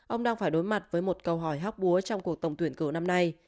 ông đang phải đối mặt với một câu hỏi hóc búa trong cuộc tổng tuyển cử năm nay